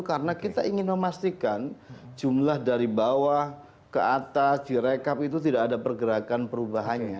karena kita ingin memastikan jumlah dari bawah ke atas di rekap itu tidak ada pergerakan perubahannya